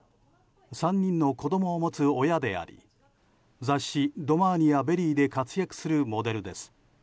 ３人の子供を持つ親であり雑誌「Ｄｏｍａｎｉ」や「ＶＥＲＹ」で活躍するモデルです。